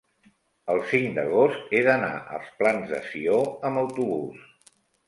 el cinc d'agost he d'anar als Plans de Sió amb autobús.